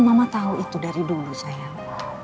mama tahu itu dari dulu sayang